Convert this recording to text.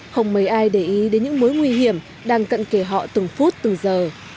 không mấy ai để ý đến những mối nguy hiểm đang cận kề họ từng phút từ giờ